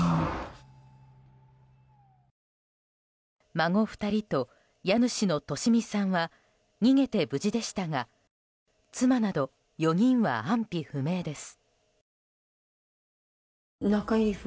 孫２人と家主の利美さんは逃げて無事でしたが妻など４人は安否不明です。